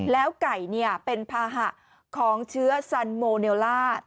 แล้วไก่เนี่ยเป็นภาหะของเชื้อซัลโมเนลา